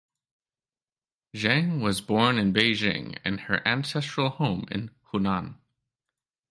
Zhang was born in Beijing and her ancestral home in Hunan.